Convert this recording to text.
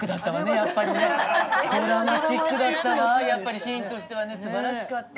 いやあれはシーンとしてはすばらしかった。